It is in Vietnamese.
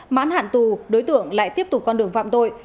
mãn hạn tù đối tượng lại tiếp tục con đường phạm tội